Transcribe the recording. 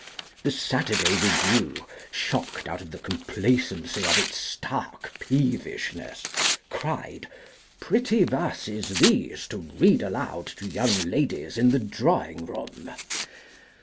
The Saturday Review, shocked out of the complacency of its stark peevishness, cried, "Pretty verses these to read aloud to young ladies in the drawing room!"